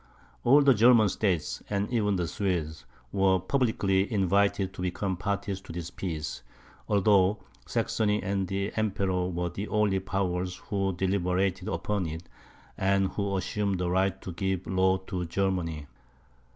All the German states, and even the Swedes, were publicly invited to become parties to this peace, although Saxony and the Emperor were the only powers who deliberated upon it, and who assumed the right to give law to Germany.